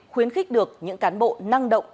khuyến khích được những cán bộ năng động